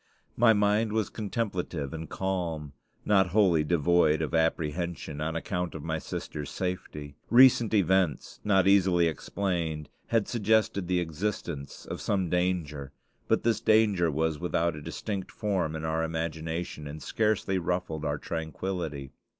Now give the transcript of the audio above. My mind was contemplative and calm not wholly devoid of apprehension on account of my sister's safety. Recent events, not easily explained, had suggested the existence of some danger; but this danger was without a distinct form in our imagination, and scarcely ruffled our tranquillity.